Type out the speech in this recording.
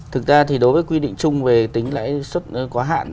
thực ra thì đối với quy định chung về tính lãi suất quá hạn